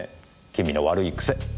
君の悪い癖！